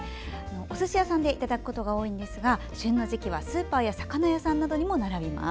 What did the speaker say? おすし屋さんでいただくことが多いですが旬の時期はスーパーや魚屋さんなどにも並びます。